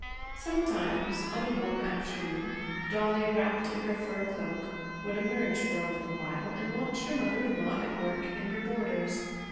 Sometimes, on a warm afternoon, Dollie, wrapped in her fur cloak, would emerge for a little while and watch her mother in law at work in her borders.